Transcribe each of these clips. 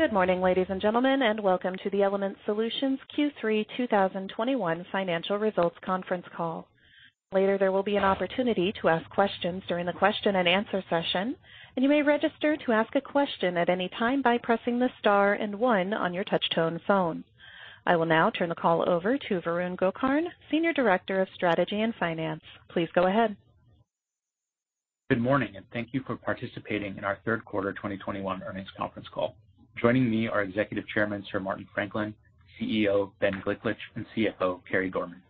Good morning, ladies and gentlemen, and welcome to the Element Solutions Q3 2021 financial results conference call. Later, there will be an opportunity to ask questions during the question and answer session, and you may register to ask a question at any time by pressing the star and one on your touch-tone phone. I will now turn the call over to Varun Gokarn, Senior Director of Strategy and Finance. Please go ahead. Good morning, and thank you for participating in our third quarter 2021 earnings conference call. Joining me are Executive Chairman Sir Martin Franklin, CEO Ben Gliklich, and CFO Carey Dorman.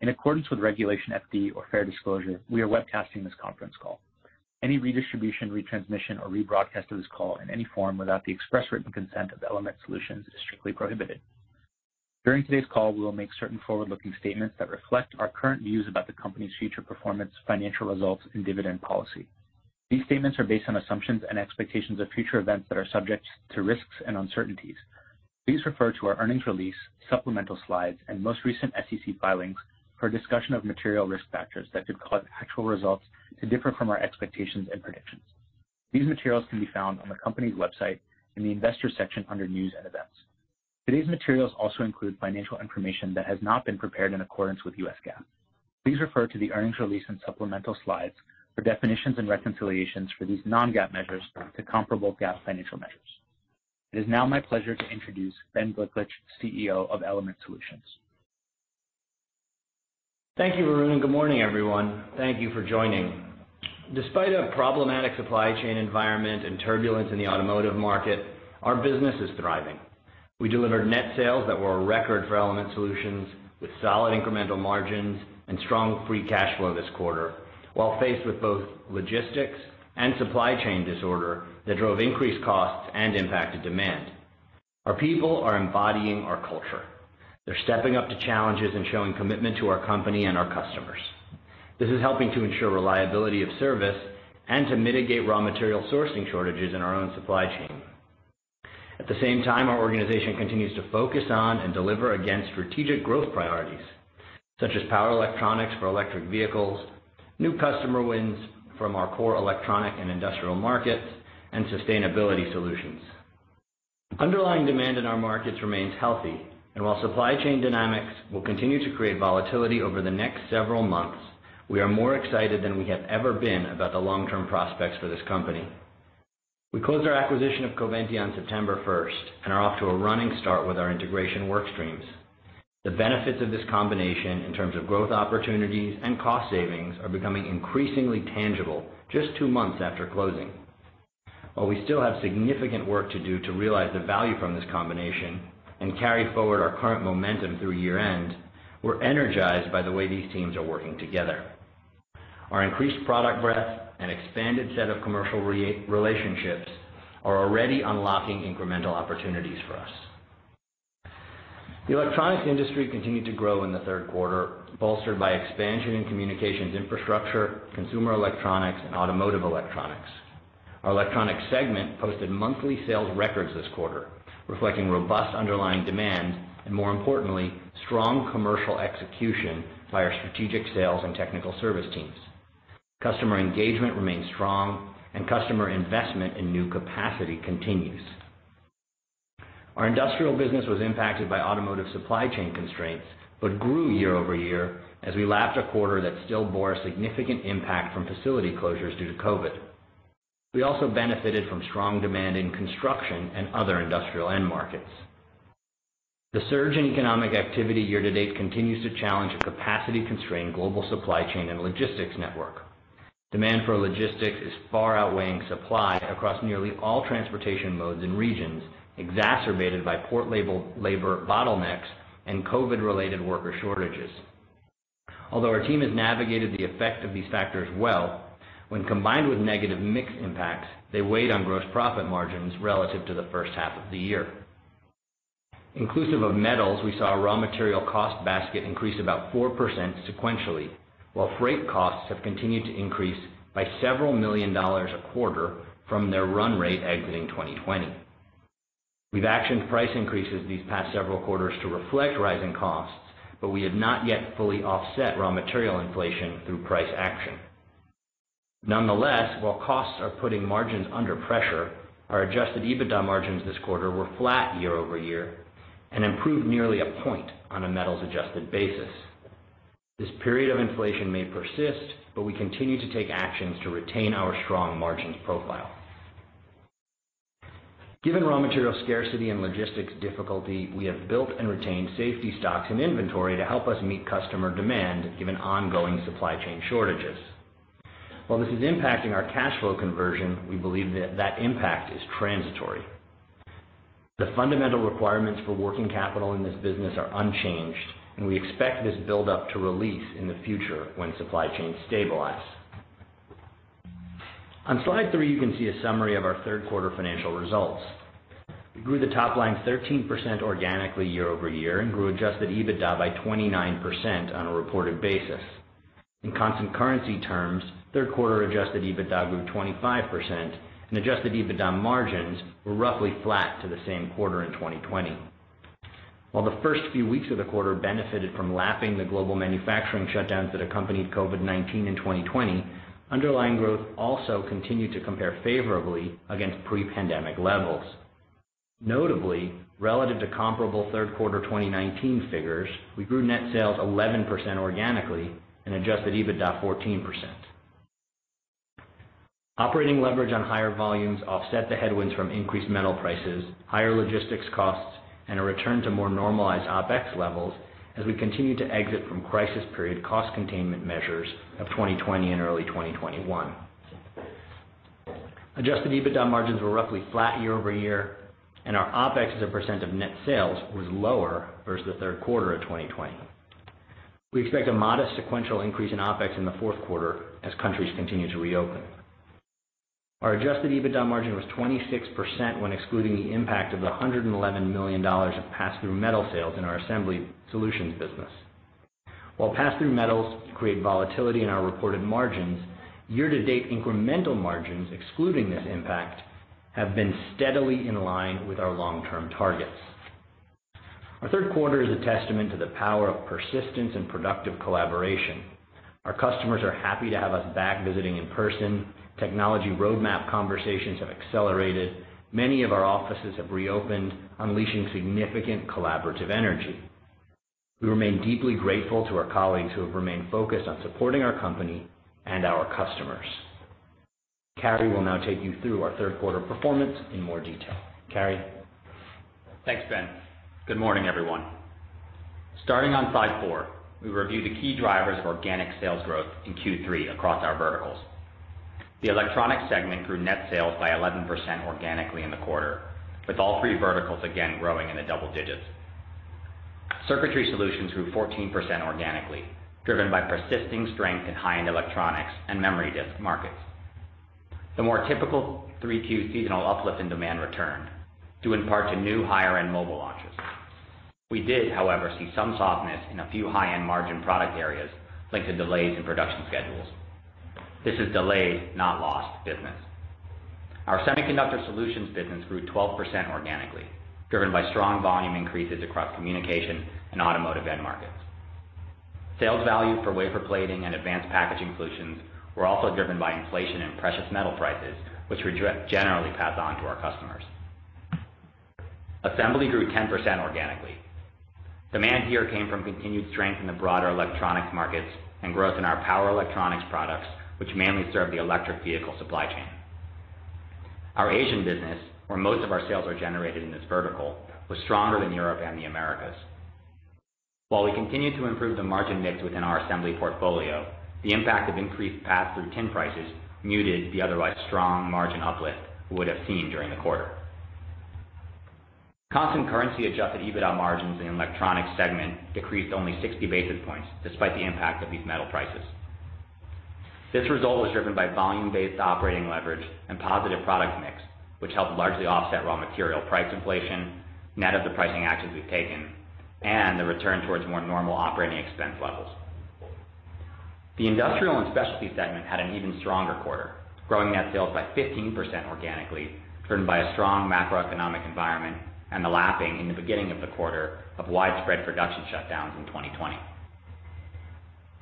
In accordance with Regulation FD, or fair disclosure, we are webcasting this conference call. Any redistribution, retransmission, or rebroadcast of this call in any form without the express written consent of Element Solutions is strictly prohibited. During today's call, we will make certain forward-looking statements that reflect our current views about the company's future performance, financial results, and dividend policy. These statements are based on assumptions and expectations of future events that are subject to risks and uncertainties. Please refer to our earnings release, supplemental slides, and most recent SEC filings for a discussion of material risk factors that could cause actual results to differ from our expectations and predictions. These materials can be found on the company's website in the Investors section under News & Events. Today's materials also include financial information that has not been prepared in accordance with US GAAP. Please refer to the earnings release and supplemental slides for definitions and reconciliations for these Non-GAAP measures to comparable GAAP financial measures. It is now my pleasure to introduce Ben Gliklich, CEO of Element Solutions. Thank you, Varun, and good morning, everyone. Thank you for joining. Despite a problematic supply chain environment and turbulence in the automotive market, our business is thriving. We delivered net sales that were a record for Element Solutions, with solid incremental margins and strong free cash flow this quarter, while faced with both logistics and supply chain disorder that drove increased costs and impacted demand. Our people are embodying our culture. They're stepping up to challenges and showing commitment to our company and our customers. This is helping to ensure reliability of service and to mitigate raw material sourcing shortages in our own supply chain. At the same time, our organization continues to focus on and deliver against strategic growth priorities, such as power electronics for electric vehicles, new customer wins from our core electronic and industrial markets, and sustainability solutions. Underlying demand in our markets remains healthy, and while supply chain dynamics will continue to create volatility over the next several months, we are more excited than we have ever been about the long-term prospects for this company. We closed our acquisition of Coventya on September first and are off to a running start with our integration work streams. The benefits of this combination in terms of growth opportunities and cost savings are becoming increasingly tangible just two months after closing. While we still have significant work to do to realize the value from this combination and carry forward our current momentum through year-end, we're energized by the way these teams are working together. Our increased product breadth and expanded set of commercial relationships are already unlocking incremental opportunities for us. The electronics industry continued to grow in the third quarter, bolstered by expansion in communications infrastructure, consumer electronics, and automotive electronics. Our Electronics segment posted monthly sales records this quarter, reflecting robust underlying demand and, more importantly, strong commercial execution by our strategic sales and technical service teams. Customer engagement remains strong, and customer investment in new capacity continues. Our Industrial business was impacted by automotive supply chain constraints, but grew year-over-year as we lapped a quarter that still bore a significant impact from facility closures due to COVID. We also benefited from strong demand in construction and other industrial end markets. The surge in economic activity year-to-date continues to challenge a capacity-constrained global supply chain and logistics network. Demand for logistics is far outweighing supply across nearly all transportation modes and regions, exacerbated by port labor bottlenecks and COVID-related worker shortages. Although our team has navigated the effect of these factors well, when combined with negative mix impacts, they weighed on gross profit margins relative to the first half of the year. Inclusive of metals, we saw a raw material cost basket increase about 4% sequentially, while freight costs have continued to increase by $several million a quarter from their run rate exiting 2020. We've actioned price increases these past several quarters to reflect rising costs, but we have not yet fully offset raw material inflation through price action. Nonetheless, while costs are putting margins under pressure, our adjusted EBITDA margins this quarter were flat year-over-year and improved nearly a point on a metals-adjusted basis. This period of inflation may persist, but we continue to take actions to retain our strong margins profile. Given raw material scarcity and logistics difficulty, we have built and retained safety stocks and inventory to help us meet customer demand given ongoing supply chain shortages. While this is impacting our cash flow conversion, we believe that that impact is transitory. The fundamental requirements for working capital in this business are unchanged, and we expect this buildup to release in the future when supply chains stabilize. On slide three, you can see a summary of our third quarter financial results. We grew the top line 13% organically year-over-year and grew adjusted EBITDA by 29% on a reported basis. In constant currency terms, third quarter adjusted EBITDA grew 25% and adjusted EBITDA margins were roughly flat to the same quarter in 2020. While the first few weeks of the quarter benefited from lapping the global manufacturing shutdowns that accompanied COVID-19 in 2020, underlying growth also continued to compare favorably against pre-pandemic levels. Notably, relative to comparable third quarter 2019 figures, we grew net sales 11% organically and adjusted EBITDA 14%. Operating leverage on higher volumes offset the headwinds from increased metal prices, higher logistics costs, and a return to more normalized OpEx levels as we continue to exit from crisis period cost containment measures of 2020 and early 2021. Adjusted EBITDA margins were roughly flat year-over-year, and our OpEx as a percent of net sales was lower versus the third quarter of 2020. We expect a modest sequential increase in OpEx in the fourth quarter as countries continue to reopen. Our adjusted EBITDA margin was 26% when excluding the impact of the $111 million of pass-through metal sales in our Assembly Solutions business. While pass-through metals create volatility in our reported margins, year-to-date incremental margins, excluding this impact, have been steadily in line with our long-term targets. Our third quarter is a testament to the power of persistence and productive collaboration. Our customers are happy to have us back visiting in person. Technology roadmap conversations have accelerated. Many of our offices have reopened, unleashing significant collaborative energy. We remain deeply grateful to our colleagues who have remained focused on supporting our company and our customers. Carey will now take you through our third quarter performance in more detail. Carey? Thanks, Ben. Good morning, everyone. Starting on slide four, we review the key drivers of organic sales growth in Q3 across our verticals. The electronic segment grew net sales by 11% organically in the quarter, with all three verticals again growing in the double digits. Circuitry Solutions grew 14% organically, driven by persisting strength in high-end electronics and memory disk markets. The more typical 3Q seasonal uplift in demand returned due in part to new higher-end mobile launches. We did, however, see some softness in a few high-end margin product areas linked to delays in production schedules. This is delayed, not lost business. Our Semiconductor Solutions business grew 12% organically, driven by strong volume increases across communication and automotive end markets. Sales value for wafer plating and advanced packaging solutions were also driven by inflation in precious metal prices, which we generally pass on to our customers. Assembly grew 10% organically. Demand here came from continued strength in the broader electronic markets and growth in our power electronics products, which mainly serve the electric vehicle supply chain. Our Asian business, where most of our sales are generated in this vertical, was stronger than Europe and the Americas. While we continue to improve the margin mix within our assembly portfolio, the impact of increased pass-through tin prices muted the otherwise strong margin uplift we would have seen during the quarter. Constant currency adjusted EBITDA margins in the electronic segment decreased only 60 basis points despite the impact of these metal prices. This result was driven by volume-based operating leverage and positive product mix, which helped largely offset raw material price inflation, net of the pricing actions we've taken, and the return towards more normal operating expense levels. The Industrial and Specialty segment had an even stronger quarter, growing net sales by 15% organically, driven by a strong macroeconomic environment and the lapping in the beginning of the quarter of widespread production shutdowns in 2020.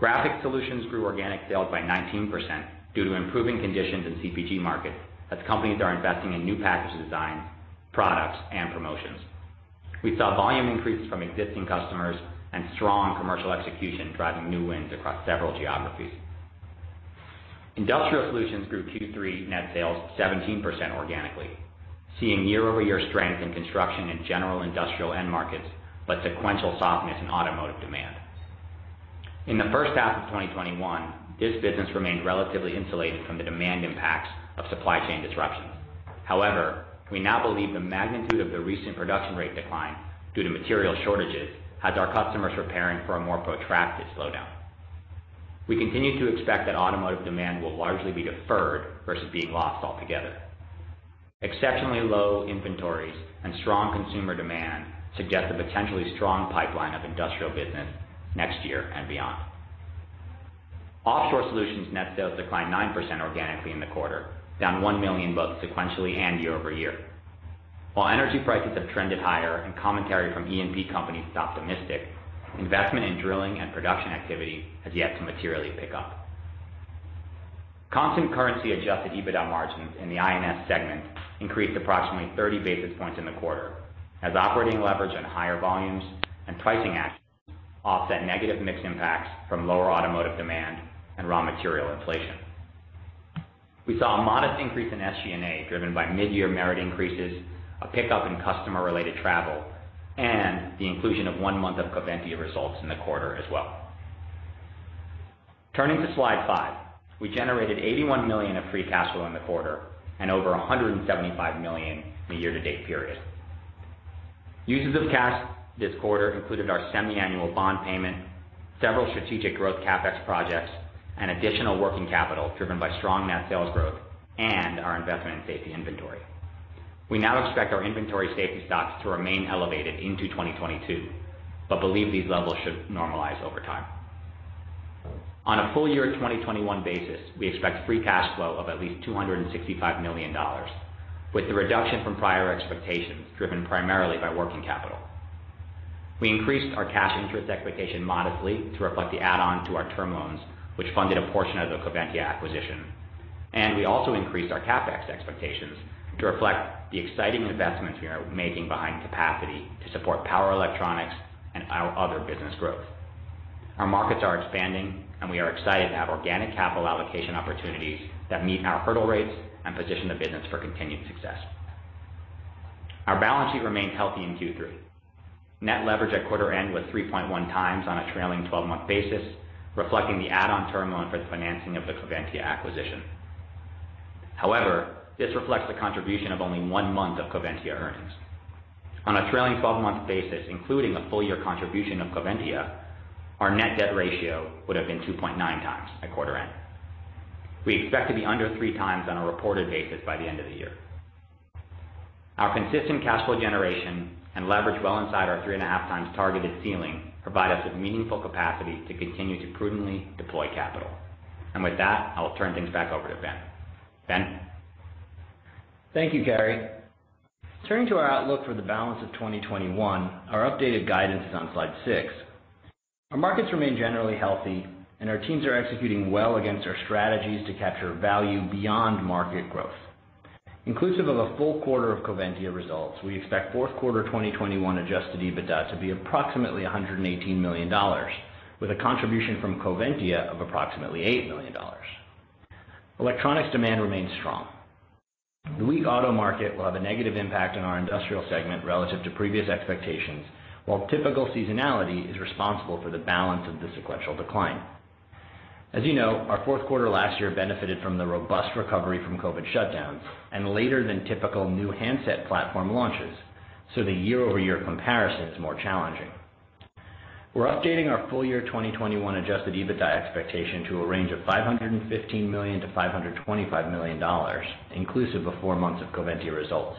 Graphics Solutions grew organic sales by 19% due to improving conditions in CPG markets as companies are investing in new package designs, products, and promotions. We saw volume increases from existing customers and strong commercial execution driving new wins across several geographies. Industrial Solutions grew Q3 net sales 17% organically, seeing year-over-year strength in construction and general industrial end markets, but sequential softness in automotive demand. In the first half of 2021, this business remained relatively insulated from the demand impacts of supply chain disruptions. However, we now believe the magnitude of the recent production rate decline due to material shortages has our customers preparing for a more protracted slowdown. We continue to expect that automotive demand will largely be deferred versus being lost altogether. Exceptionally low inventories and strong consumer demand suggest a potentially strong pipeline of industrial business next year and beyond. Offshore Solutions net sales declined 9% organically in the quarter, down $1 million, both sequentially and year-over-year. While energy prices have trended higher and commentary from E&P companies is optimistic, investment in drilling and production activity has yet to materially pick up. Constant currency adjusted EBITDA margins in the I&S segment increased approximately 30 basis points in the quarter as operating leverage and higher volumes and pricing actions offset negative mix impacts from lower automotive demand and raw material inflation. We saw a modest increase in SG&A, driven by mid-year merit increases, a pickup in customer-related travel, and the inclusion of one month of Coventya results in the quarter as well. Turning to slide 5. We generated $81 million of free cash flow in the quarter and over $175 million in the year-to-date period. Uses of cash this quarter included our semiannual bond payment, several strategic growth CapEx projects, and additional working capital driven by strong net sales growth and our investment in safety inventory. We now expect our inventory safety stocks to remain elevated into 2022, but believe these levels should normalize over time. On a full year 2021 basis, we expect free cash flow of at least $265 million, with the reduction from prior expectations driven primarily by working capital. We increased our cash interest expectation modestly to reflect the add-on to our term loans, which funded a portion of the Coventya acquisition. We also increased our CapEx expectations to reflect the exciting investments we are making behind capacity to support power electronics and our other business growth. Our markets are expanding, and we are excited to have organic capital allocation opportunities that meet our hurdle rates and position the business for continued success. Our balance sheet remains healthy in Q3. Net leverage at quarter end was 3.1x on a trailing twelve-month basis, reflecting the add-on term loan for the financing of the Coventya acquisition. However, this reflects the contribution of only one month of Coventya earnings. On a trailing twelve-month basis, including a full year contribution of Coventya, our net debt ratio would have been 2.9x at quarter end. We expect to be under 3x on a reported basis by the end of the year. Our consistent cash flow generation and leverage well inside our 3.5x targeted ceiling provide us with meaningful capacity to continue to prudently deploy capital. With that, I will turn things back over to Ben. Ben? Thank you, Carey. Turning to our outlook for the balance of 2021, our updated guidance is on slide 6. Our markets remain generally healthy and our teams are executing well against our strategies to capture value beyond market growth. Inclusive of a full quarter of Coventya results, we expect fourth quarter 2021 adjusted EBITDA to be approximately $118 million, with a contribution from Coventya of approximately $8 million. Electronics demand remains strong. The weak auto market will have a negative impact on our industrial segment relative to previous expectations, while typical seasonality is responsible for the balance of the sequential decline. As you know, our fourth quarter last year benefited from the robust recovery from COVID shutdowns and later than typical new handset platform launches, so the year-over-year comparison is more challenging. We're updating our full year 2021 adjusted EBITDA expectation to a range of $515 million-$525 million, inclusive of four months of Coventya results.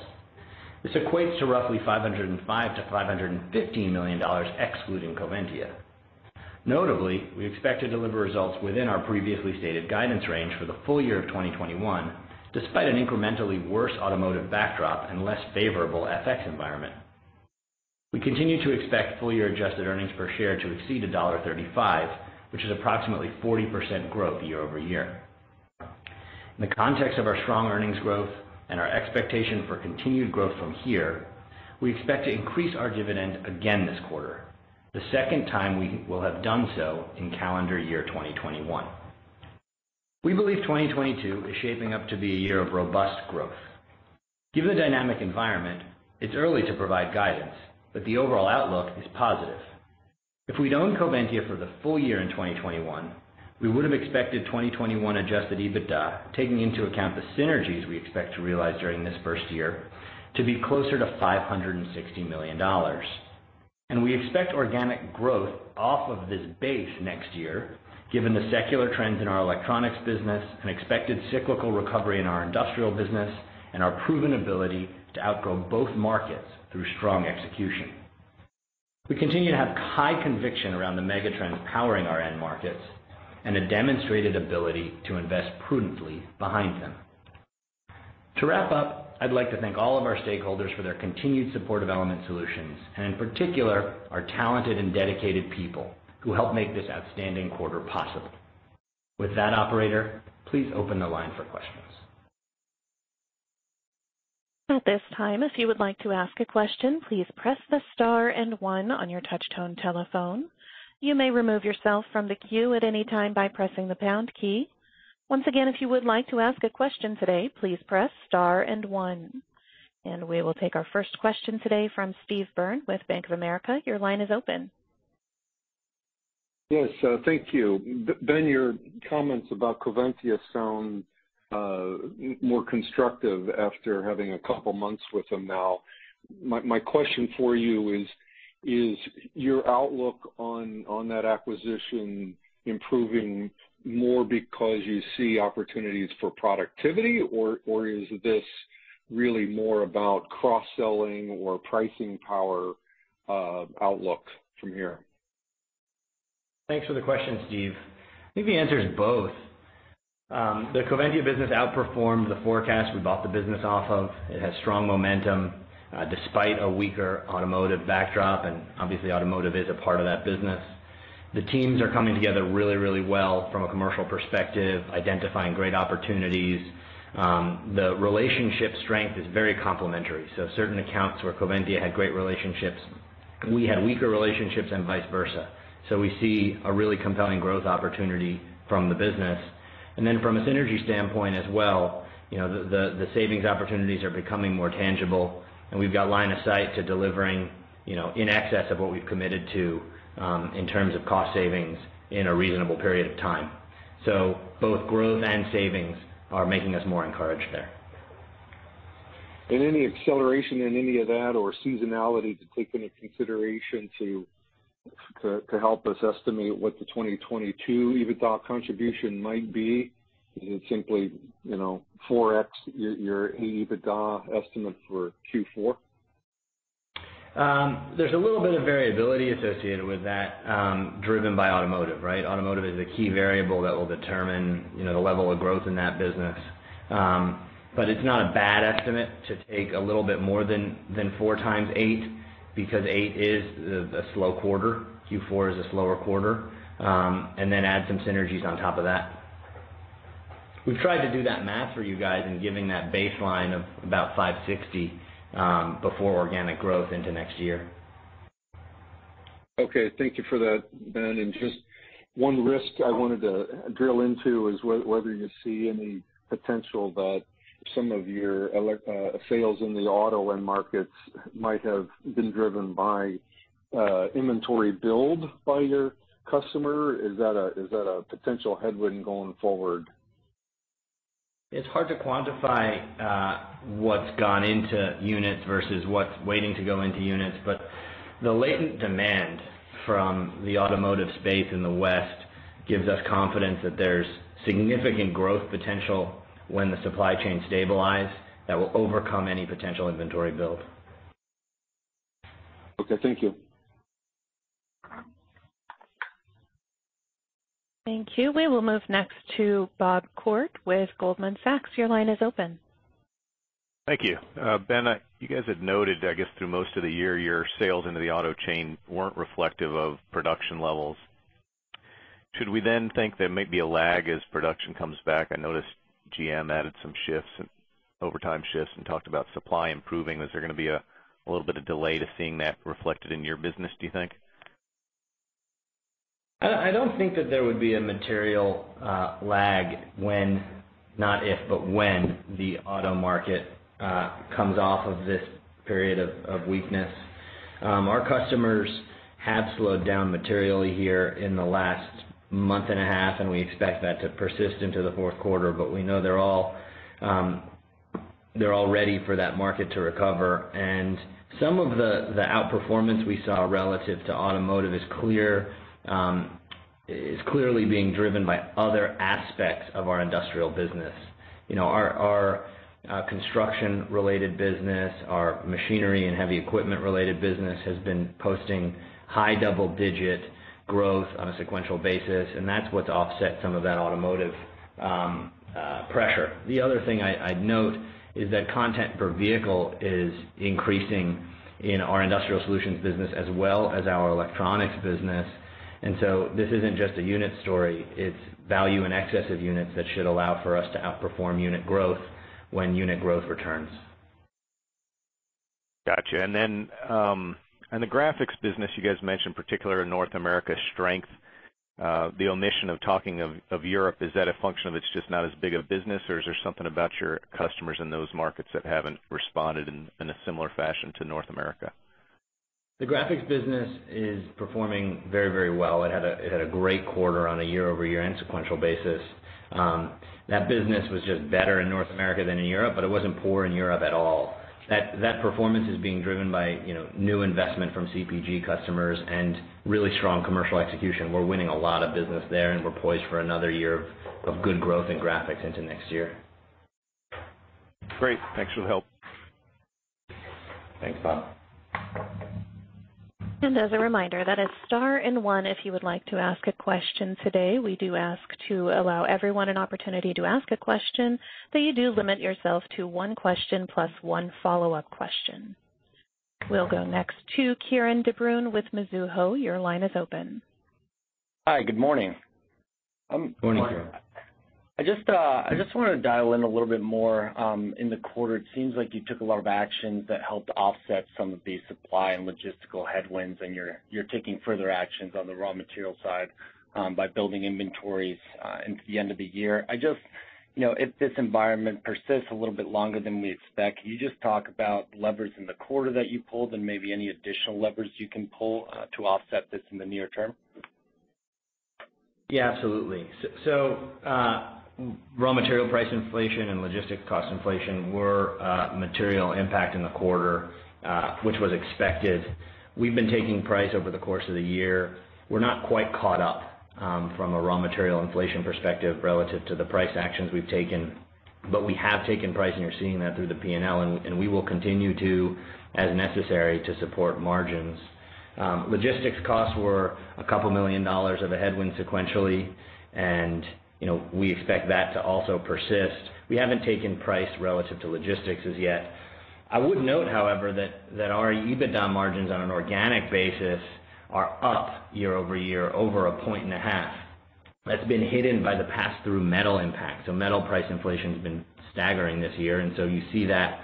This equates to roughly $505 million-$515 million excluding Coventya. Notably, we expect to deliver results within our previously stated guidance range for the full year of 2021, despite an incrementally worse automotive backdrop and less favorable FX environment. We continue to expect full year adjusted earnings per share to exceed $1.35, which is approximately 40% growth year-over-year. In the context of our strong earnings growth and our expectation for continued growth from here, we expect to increase our dividend again this quarter, the second time we will have done so in calendar year 2021. We believe 2022 is shaping up to be a year of robust growth. Given the dynamic environment, it's early to provide guidance, but the overall outlook is positive. If we'd owned Coventya for the full year in 2021, we would have expected 2021 adjusted EBITDA, taking into account the synergies we expect to realize during this first year, to be closer to $560 million. We expect organic growth off of this base next year, given the secular trends in our electronics business, an expected cyclical recovery in our industrial business, and our proven ability to outgrow both markets through strong execution. We continue to have high conviction around the mega trends powering our end markets and a demonstrated ability to invest prudently behind them. To wrap up, I'd like to thank all of our stakeholders for their continued support of Element Solutions, and in particular, our talented and dedicated people who helped make this outstanding quarter possible. With that, operator, please open the line for questions. At this time, if you would like to ask a question, please press the star and one on your touch tone telephone. You may remove yourself from the queue at any time by pressing the pound key. Once again, if you would like to ask a question today, please press star and one. We will take our first question today from Steve Byrne with Bank of America. Your line is open. Yes. Thank you. Ben, your comments about Coventya sound more constructive after having a couple months with them now. My question for you is your outlook on that acquisition improving more because you see opportunities for productivity or is this really more about cross-selling or pricing power, outlook from here? Thanks for the question, Steve. I think the answer is both. The Coventya business outperformed the forecast we bought the business off of. It has strong momentum, despite a weaker automotive backdrop, and obviously, automotive is a part of that business. The teams are coming together really well from a commercial perspective, identifying great opportunities. The relationship strength is very complementary. Certain accounts where Coventya had great relationships, we had weaker relationships and vice versa. We see a really compelling growth opportunity from the business. From a synergy standpoint as well, you know, the savings opportunities are becoming more tangible, and we've got line of sight to delivering, you know, in excess of what we've committed to, in terms of cost savings in a reasonable period of time. Both growth and savings are making us more encouraged there. Any acceleration in any of that or seasonality to take into consideration to help us estimate what the 2022 EBITDA contribution might be? Is it simply, you know, 4x your EBITDA estimate for Q4? There's a little bit of variability associated with that, driven by automotive, right? Automotive is a key variable that will determine, you know, the level of growth in that business. It's not a bad estimate to take a little bit more than 4x 80 because 80 is a slow quarter. Q4 is a slower quarter, and then add some synergies on top of that. We've tried to do that math for you guys in giving that baseline of about $560, before organic growth into next year. Okay. Thank you for that, Ben. Just one risk I wanted to drill into is whether you see any potential that some of your sales in the auto end markets might have been driven by inventory build by your customer. Is that a potential headwind going forward? It's hard to quantify, what's gone into units versus what's waiting to go into units, but the latent demand from the automotive space in the West gives us confidence that there's significant growth potential when the supply chain stabilize that will overcome any potential inventory build. Okay, thank you. Thank you. We will move next to Bob Koort with Goldman Sachs. Your line is open. Thank you. Ben, you guys had noted, I guess, through most of the year, your sales into the auto chain weren't reflective of production levels. Should we then think there may be a lag as production comes back? I noticed GM added some shifts, overtime shifts, and talked about supply improving. Is there gonna be a little bit of delay to seeing that reflected in your business, do you think? I don't think that there would be a material lag when, not if, but when the auto market comes off of this period of weakness. Our customers have slowed down materially here in the last month and a half, and we expect that to persist into the fourth quarter, but we know they're all ready for that market to recover. Some of the outperformance we saw relative to automotive is clearly being driven by other aspects of our industrial business. You know, our construction-related business, our machinery and heavy equipment-related business has been posting high double-digit growth on a sequential basis, and that's what's offset some of that automotive pressure. The other thing I'd note is that content per vehicle is increasing in our Industrial Solutions business as well as our Electronics business. This isn't just a unit story, it's value in excess of units that should allow for us to outperform unit growth when unit growth returns. Gotcha. In the Graphics business, you guys mentioned, particularly in North America, strength. The omission of talking of Europe, is that a function of it's just not as big a business, or is there something about your customers in those markets that haven't responded in a similar fashion to North America? The graphics business is performing very, very well. It had a great quarter on a year-over-year and sequential basis. That business was just better in North America than in Europe, but it wasn't poor in Europe at all. That performance is being driven by, you know, new investment from CPG customers and really strong commercial execution. We're winning a lot of business there, and we're poised for another year of good growth in graphics into next year. Great. Thanks for the help. Thanks, Bob. As a reminder, that is star and one if you would like to ask a question today. We do ask to allow everyone an opportunity to ask a question, that you do limit yourself to one question plus one follow-up question. We'll go next to Kieran de Brun with Mizuho. Your line is open. Hi, good morning. Morning, Kieran. I just wanna dial in a little bit more in the quarter. It seems like you took a lot of actions that helped offset some of the supply and logistical headwinds, and you're taking further actions on the raw material side by building inventories into the end of the year. You know, if this environment persists a little bit longer than we expect, can you just talk about levers in the quarter that you pulled and maybe any additional levers you can pull to offset this in the near term? Yeah, absolutely. Raw material price inflation and logistics cost inflation were a material impact in the quarter, which was expected. We've been taking price over the course of the year. We're not quite caught up from a raw material inflation perspective relative to the price actions we've taken. But we have taken price, and you're seeing that through the P&L, and we will continue to as necessary to support margins. Logistics costs were a couple million dollars of a headwind sequentially, and you know, we expect that to also persist. We haven't taken price relative to logistics as yet. I would note, however, that our EBITDA margins on an organic basis are up year-over-year over 1.5 points. That's been hidden by the pass-through metal impact. Metal price inflation's been staggering this year, and so you see that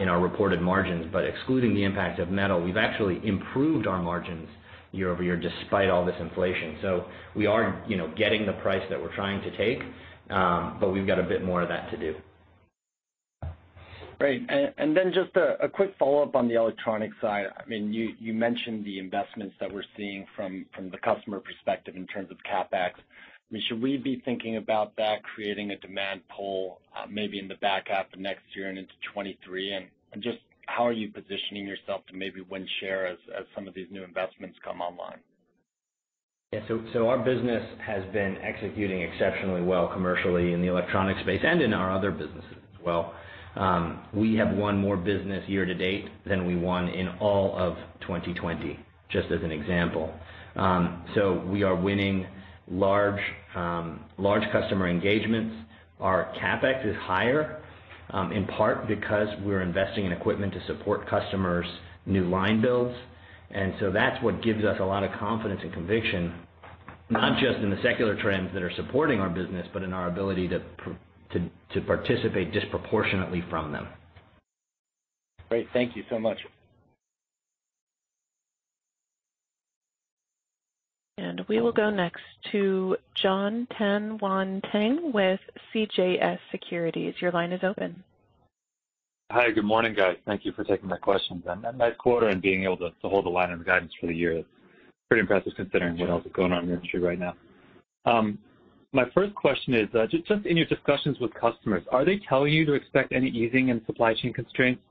in our reported margins. Excluding the impact of metal, we've actually improved our margins year over year despite all this inflation. We are, you know, getting the price that we're trying to take, but we've got a bit more of that to do. Great. Just a quick follow-up on the electronic side. I mean, you mentioned the investments that we're seeing from the customer perspective in terms of CapEx. I mean, should we be thinking about that creating a demand pull, maybe in the back half of next year and into 2023? Just how are you positioning yourself to maybe win share as some of these new investments come online? Yeah. Our business has been executing exceptionally well commercially in the electronic space and in our other businesses as well. We have won more business year to date than we won in all of 2020, just as an example. We are winning large customer engagements. Our CapEx is higher, in part because we're investing in equipment to support customers' new line builds. That's what gives us a lot of confidence and conviction, not just in the secular trends that are supporting our business, but in our ability to participate disproportionately from them. Great. Thank you so much. We will go next to Jonathan Tanwanteng with CJS Securities. Your line is open. Hi, good morning, guys. Thank you for taking my questions. On that nice quarter and being able to hold the line on the guidance for the year is pretty impressive considering what else is going on in the industry right now. My first question is just in your discussions with customers, are they telling you to expect any easing in supply chain constraints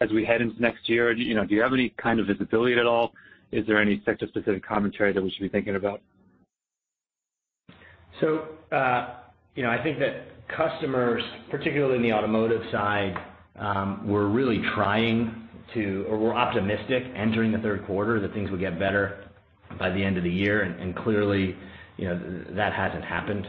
as we head into next year? Do you know, do you have any kind of visibility at all? Is there any sector-specific commentary that we should be thinking about? I think that customers, particularly in the automotive side, were optimistic entering the third quarter that things would get better by the end of the year. Clearly, you know, that hasn't happened.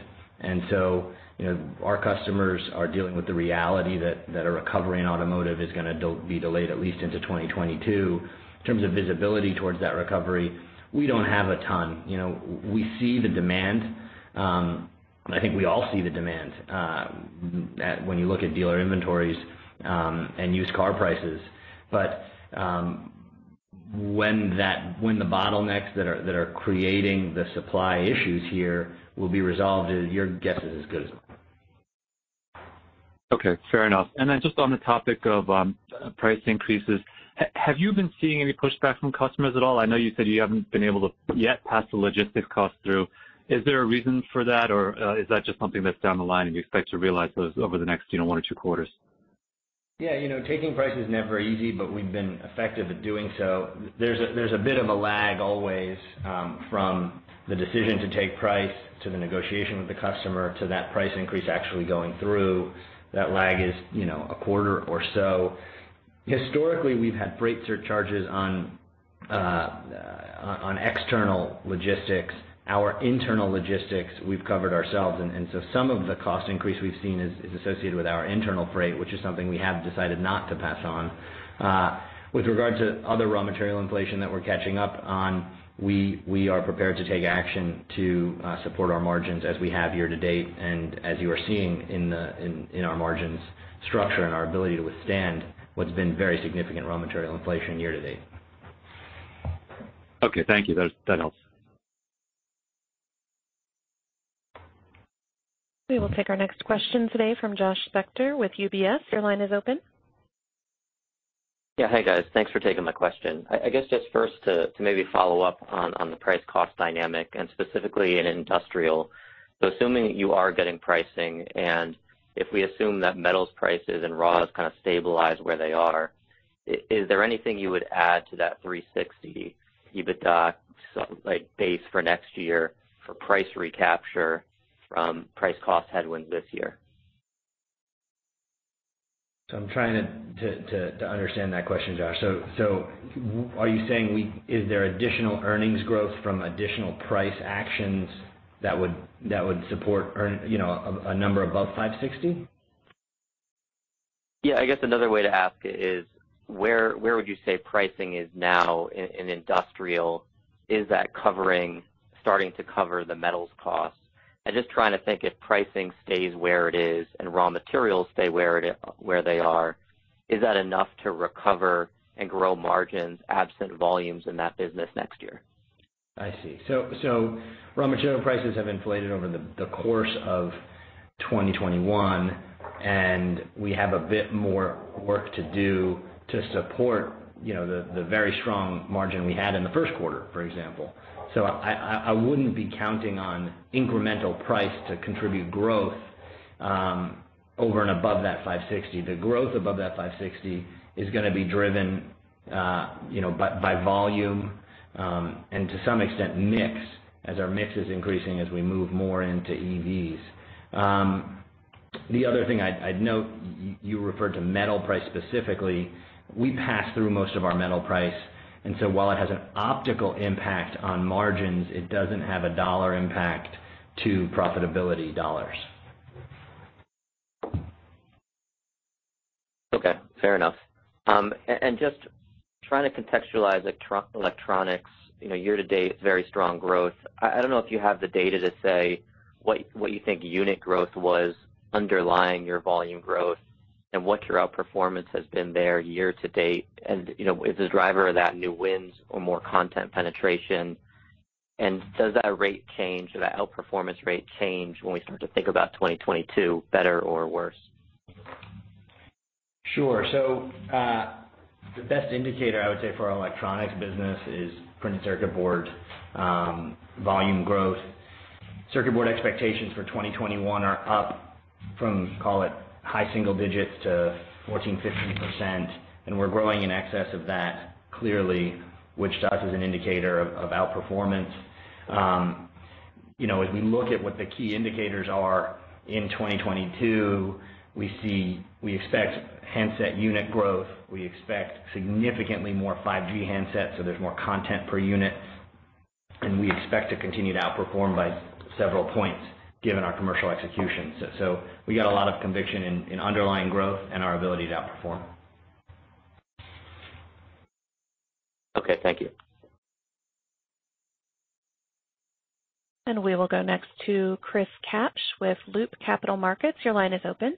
You know, our customers are dealing with the reality that a recovery in automotive is gonna be delayed at least into 2022. In terms of visibility towards that recovery, we don't have a ton. You know, we see the demand. I think we all see the demand when you look at dealer inventories and used car prices. When the bottlenecks that are creating the supply issues here will be resolved is your guess is as good as mine. Okay, fair enough. Just on the topic of price increases, have you been seeing any pushback from customers at all? I know you said you haven't been able to yet pass the logistics costs through. Is there a reason for that, or is that just something that's down the line and you expect to realize those over the next, you know, one or two quarters? Yeah. You know, taking price is never easy, but we've been effective at doing so. There's a bit of a lag always from the decision to take price to the negotiation with the customer to that price increase actually going through. That lag is, you know, a quarter or so. Historically, we've had freight surcharges on external logistics. Our internal logistics we've covered ourselves, and so some of the cost increase we've seen is associated with our internal freight, which is something we have decided not to pass on. With regard to other raw material inflation that we're catching up on, we are prepared to take action to support our margins as we have year to date and as you are seeing in our margins structure and our ability to withstand what's been very significant raw material inflation year to date. Okay, thank you. That helps. We will take our next question today from Josh Spector with UBS. Your line is open. Yeah. Hey, guys. Thanks for taking my question. I guess just first to maybe follow up on the price-cost dynamic and specifically in Industrial. Assuming that you are getting pricing and if we assume that metals prices and raws kind of stabilize where they are, is there anything you would add to that 360 EBITDA so like base for next year for price recapture from price-cost headwinds this year? I'm trying to understand that question, Josh. Are you saying is there additional earnings growth from additional price actions that would support earnings, you know, a number above $560? Yeah. I guess another way to ask it is where would you say pricing is now in industrial? Is that starting to cover the metals costs? Just trying to think if pricing stays where it is and raw materials stay where they are, is that enough to recover and grow margins absent volumes in that business next year? I see. Raw material prices have inflated over the course of 2021, and we have a bit more work to do to support, you know, the very strong margin we had in the first quarter, for example. I wouldn't be counting on incremental price to contribute growth over and above that $560 million. The growth above that $560 million is gonna be driven, you know, by volume, and to some extent mix, as our mix is increasing as we move more into EVs. The other thing I'd note, you referred to metal price specifically. We pass through most of our metal price, and so while it has an optical impact on margins, it doesn't have a dollar impact to profitability dollars. Okay, fair enough. Just trying to contextualize electronics, you know, year to date, very strong growth. I don't know if you have the data to say what you think unit growth was underlying your volume growth and what your outperformance has been there year to date. You know, is the driver of that new wins or more content penetration? Does that rate change? Does that outperformance rate change when we start to think about 2022 better or worse? Sure. The best indicator I would say for our electronics business is printed circuit board volume growth. Circuit board expectations for 2021 are up from, call it, high single digits to 14%-15%, and we're growing in excess of that, clearly, which to us is an indicator of outperformance. You know, as we look at what the key indicators are in 2022, we expect handset unit growth. We expect significantly more 5G handsets, so there's more content per unit. We expect to continue to outperform by several points given our commercial execution. We got a lot of conviction in underlying growth and our ability to outperform. Okay. Thank you. We will go next to Chris Kapsch with Loop Capital Markets. Your line is open.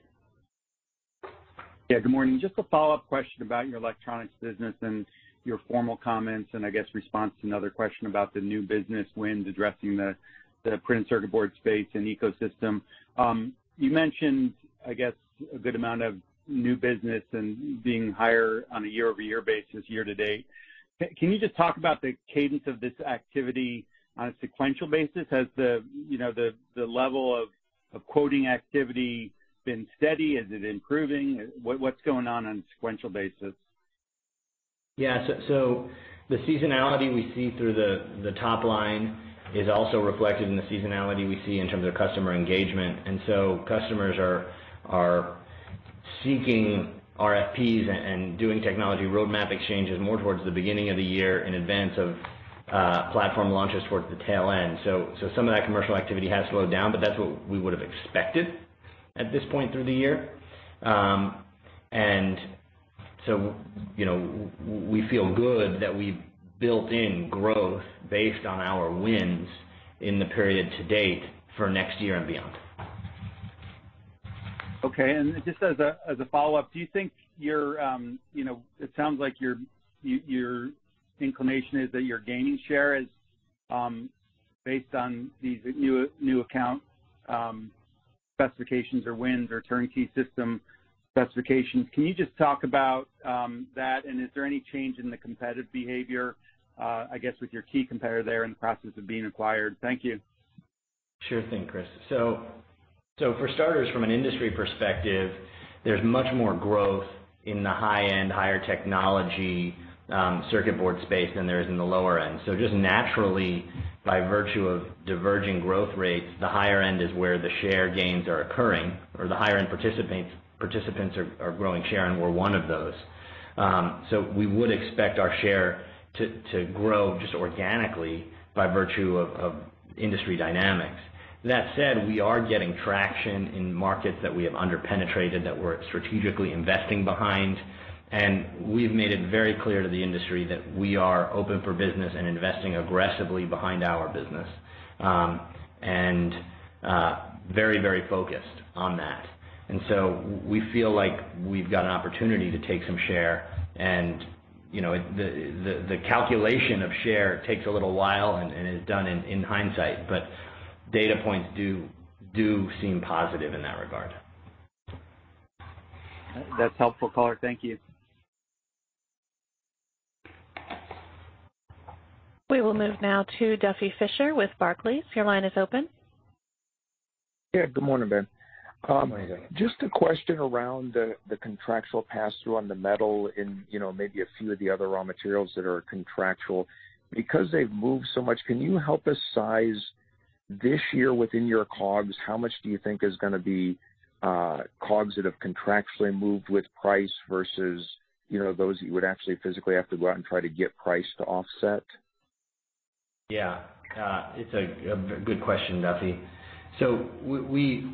Yeah, good morning. Just a follow-up question about your electronics business and your formal comments, and I guess response to another question about the new business wins addressing the printed circuit board space and ecosystem. You mentioned, I guess, a good amount of new business and being higher on a year-over-year basis year to date. Can you just talk about the cadence of this activity on a sequential basis? Has the you know the level of quoting activity been steady? Is it improving? What's going on on a sequential basis? Yeah. So the seasonality we see through the top line is also reflected in the seasonality we see in terms of customer engagement. Customers are seeking RFPs and doing technology roadmap exchanges more towards the beginning of the year in advance of platform launches towards the tail end. Some of that commercial activity has slowed down, but that's what we would've expected at this point through the year. You know, we feel good that we've built in growth based on our wins in the period to date for next year and beyond. Okay. As a follow-up, do you think it sounds like your inclination is that you're gaining share is based on these new account specifications or wins or turnkey system specifications. Can you just talk about that, and is there any change in the competitive behavior, I guess, with your key competitor there in the process of being acquired? Thank you. Sure thing, Chris. For starters, from an industry perspective, there's much more growth in the high-end, higher technology, circuit board space than there is in the lower end. Just naturally, by virtue of diverging growth rates, the higher end is where the share gains are occurring or the higher end participants are growing share, and we're one of those. We would expect our share to grow just organically by virtue of industry dynamics. That said, we are getting traction in markets that we have under-penetrated that we're strategically investing behind. We've made it very clear to the industry that we are open for business and investing aggressively behind our business, and very focused on that. We feel like we've got an opportunity to take some share and, you know, the calculation of share takes a little while and is done in hindsight, but data points do seem positive in that regard. That's helpful, Carey. Thank you. We will move now to Duffy Fischer with Barclays. Your line is open. Yeah. Good morning, Ben. Morning. Just a question around the contractual passthrough on the metal and, you know, maybe a few of the other raw materials that are contractual. Because they've moved so much, can you help us size this year within your COGS? How much do you think is gonna be COGS that have contractually moved with price versus, you know, those that you would actually physically have to go out and try to get price to offset? Yeah. It's a good question, Duffy. We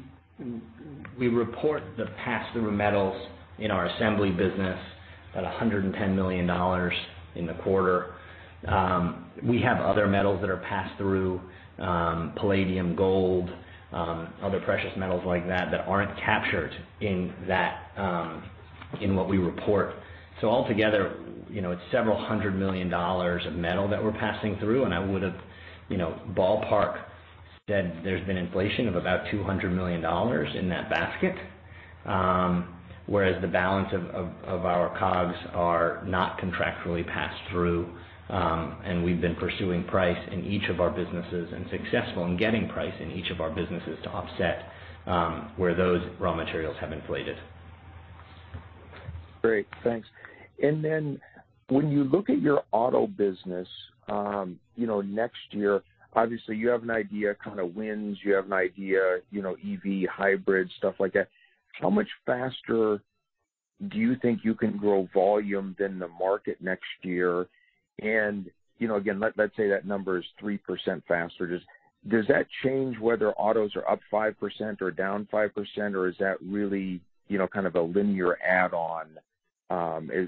report the passthrough metals in our assembly business at $110 million in the quarter. We have other metals that are passed through, palladium, gold, other precious metals like that aren't captured in that, in what we report. Altogether, you know, it's several hundred million dollars of metal that we're passing through, and I would've, you know, ballpark said there's been inflation of about $200 million in that basket. Whereas the balance of our COGS are not contractually passed through, and we've been pursuing price in each of our businesses, and successful in getting price in each of our businesses to offset, where those raw materials have inflated. Great. Thanks. When you look at your auto business, you know, next year, obviously you have an idea, kind of wins. You have an idea, you know, EV, hybrid, stuff like that. How much faster do you think you can grow volume than the market next year? You know, again, let's say that number is 3% faster. Does that change whether autos are up 5% or down 5%, or is that really, you know, kind of a linear add-on,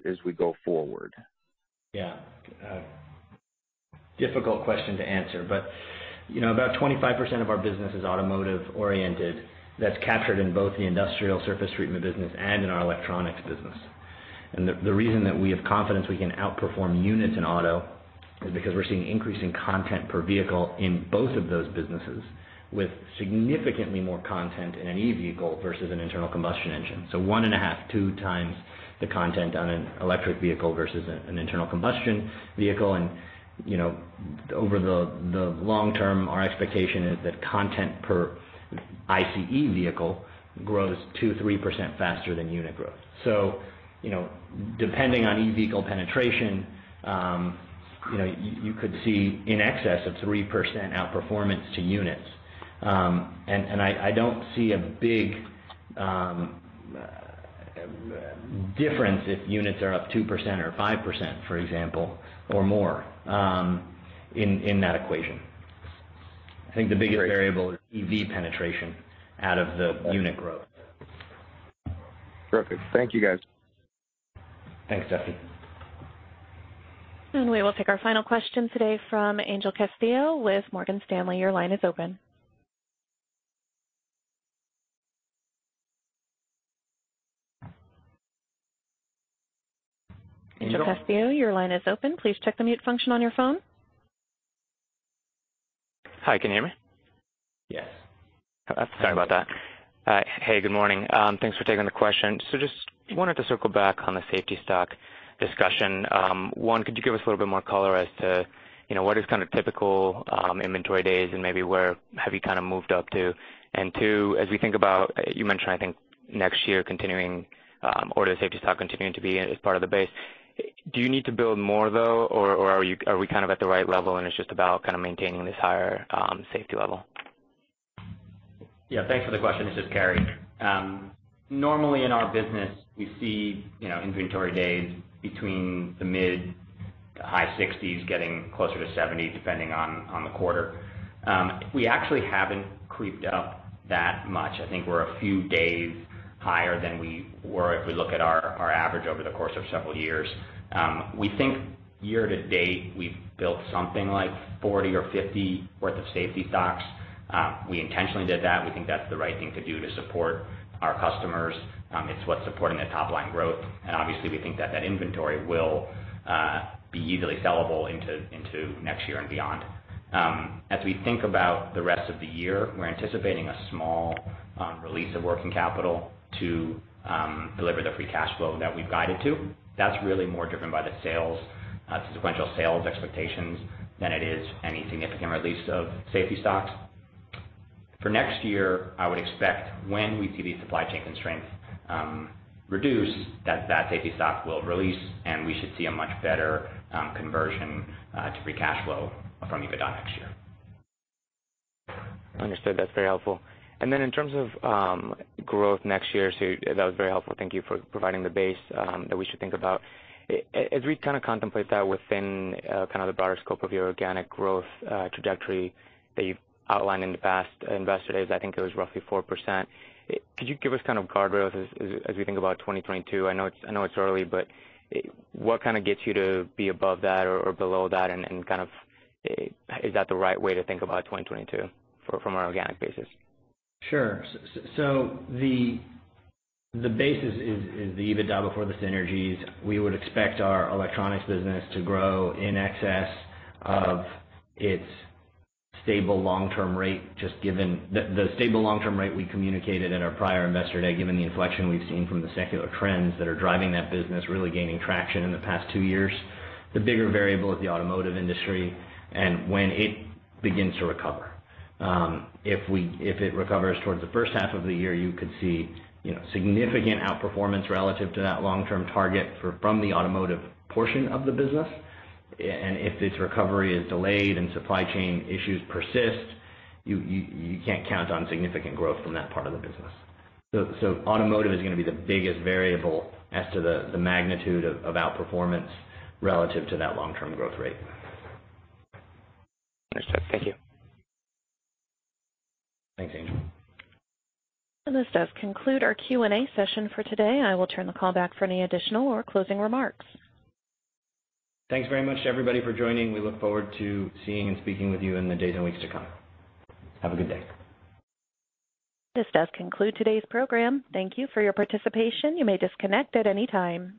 as we go forward? Yeah. Difficult question to answer, but, you know, about 25% of our business is automotive oriented. That's captured in both the industrial surface treatment business and in our electronics business. The reason that we have confidence we can outperform units in auto is because we're seeing increasing content per vehicle in both of those businesses with significantly more content in an EV vehicle versus an internal combustion engine. One and a half, two times the content on an electric vehicle versus an internal combustion vehicle and you know, over the long term, our expectation is that content per ICE vehicle grows 2-3% faster than unit growth. You know, depending on EV penetration, you could see in excess of 3% outperformance to units. I don't see a big difference if units are up 2% or 5%, for example, or more, in that equation. I think the biggest variable is EV penetration out of the unit growth. Perfect. Thank you, guys. Thanks, Duffy. We will take our final question today from Angel Castillo with Morgan Stanley. Your line is open. Angel Castillo, your line is open. Please check the mute function on your phone. Hi, can you hear me? Yes. Sorry about that. Hey, good morning. Thanks for taking the question. Just wanted to circle back on the safety stock discussion. One, could you give us a little bit more color as to, you know, what is kind of typical inventory days and maybe where have you kind of moved up to? And two, as we think about, you mentioned, I think, next year continuing or the safety stock continuing to be as part of the base. Do you need to build more though, or are we kind of at the right level and it's just about kind of maintaining this higher safety level? Yeah, thanks for the question. This is Carey. Normally in our business, we see, you know, inventory days between the mid- to high-60s getting closer to 70, depending on the quarter. We actually haven't crept up that much. I think we're a few days higher than we were if we look at our average over the course of several years. We think year to date, we've built something like 40 or 50 worth of safety stocks. We intentionally did that. We think that's the right thing to do to support our customers. It's what's supporting the top line growth. Obviously we think that inventory will be easily sellable into next year and beyond. As we think about the rest of the year, we're anticipating a small release of working capital to deliver the free cash flow that we've guided to. That's really more driven by the sales, sequential sales expectations than it is any significant release of safety stocks. For next year, I would expect, when we see these supply chain constraints reduce, that safety stock will release, and we should see a much better conversion to free cash flow from EBITDA next year. Understood. That's very helpful. In terms of growth next year. That was very helpful. Thank you for providing the base that we should think about. As we kind of contemplate that within kind of the broader scope of your organic growth trajectory that you've outlined in the past Investor Days, I think it was roughly 4%. Could you give us kind of guardrails as we think about 2022? I know it's early, but what kind of gets you to be above that or below that and kind of is that the right way to think about 2022 from an organic basis? Sure. The basis is the EBITDA before the synergies. We would expect our electronics business to grow in excess of its stable long-term rate, just given the stable long-term rate we communicated in our prior Investor Day, given the inflection we've seen from the secular trends that are driving that business really gaining traction in the past two years. The bigger variable is the automotive industry and when it begins to recover. If it recovers towards the first half of the year, you could see, you know, significant outperformance relative to that long-term target from the automotive portion of the business. If its recovery is delayed and supply chain issues persist, you can't count on significant growth from that part of the business. Automotive is gonna be the biggest variable as to the magnitude of outperformance relative to that long-term growth rate. Understood. Thank you. Thanks, Angel. This does conclude our Q&A session for today. I will turn the call back for any additional or closing remarks. Thanks very much to everybody for joining. We look forward to seeing and speaking with you in the days and weeks to come. Have a good day. This does conclude today's program. Thank you for your participation. You may disconnect at any time.